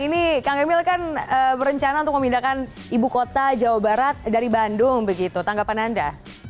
ini kang emil kan berencana untuk memindahkan ibu kota jawa barat dari bandung begitu tanggapan anda